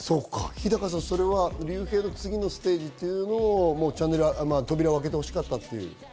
日高さん、それはＲＹＵＨＥＩの次のステージというのは、扉を開けてほしかったっていう。